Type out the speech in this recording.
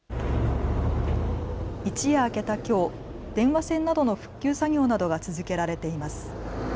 一夜明けたきょう、電話線などの復旧作業などが続けられています。